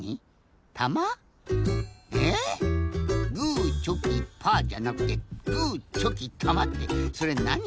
たま？え？「グーチョキパー」じゃなくて「グーチョキたま」ってそれなに？